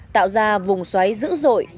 tạo ra vùng xoáy dữ dội